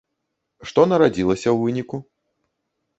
Што нарадзілася ў выніку?